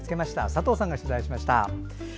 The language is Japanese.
佐藤さんが取材しました。